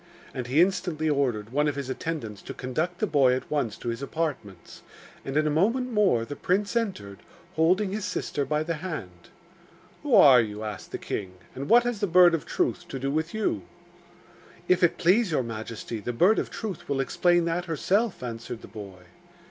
And he instantly ordered one of his attendants to conduct the boy at once to his apartments; and in a moment more the prince entered, holding his sister by the hand. 'Who are you?' asked the king; 'and what has the Bird of Truth to do with you?' 'If it please your majesty, the Bird of Truth will explain that herself,' answered the boy.